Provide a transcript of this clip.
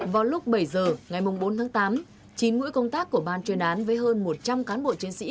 vào lúc bảy giờ ngày bốn tháng tám chín ngũi công tác của ban chuyên án với hơn một trăm linh cán bộ chiến sĩ